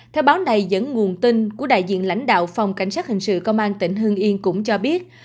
theo báo này dẫn nguồn tin của đại diện lãnh đạo phòng cảnh sát hình sự công an tỉnh hương yên cũng cho biết